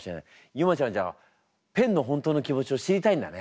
ゆまちゃんじゃあペンの本当の気持ちを知りたいんだね。